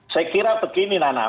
saya kira begini nana